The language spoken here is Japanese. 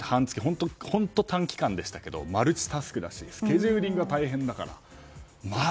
本当短期間でしたけどマルチタスクだしスケジューリングが大変だからまあ。